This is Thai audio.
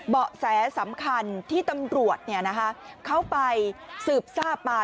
เบาะแสสำคัญที่ตำรวจเข้าไปสืบทราบมา